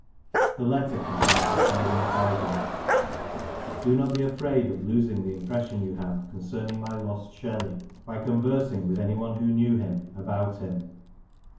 The letter contains the following paragraph :—Do not be afraid of losing the impression you have concerning my lost Shelley by conversing with anyone who knew him about him.